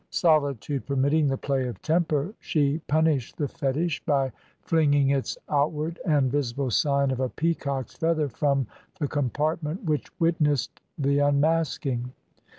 Solitude permitting the play of temper, she punished the fetish, by flinging its outward and visible sign of a peacock's feather from the compartment which witnessed the unmasking.